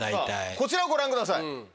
こちらをご覧ください。